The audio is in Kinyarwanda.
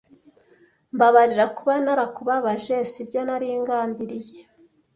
mbabarira kuba narakubabaje sibyo naringambiriye